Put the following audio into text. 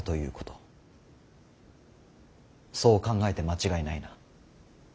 そう考えて間違いないな。